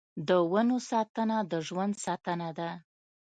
د ونو ساتنه د ژوند ساتنه ده.